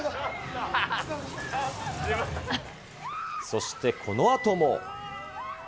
そしてこのあとも。